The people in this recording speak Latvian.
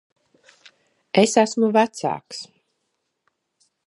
Es esmu vecāks.